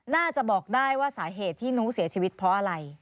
น่าจะบอกได้ว่าสาเหตุที่หนูเสียชีวิตเพราะอะไร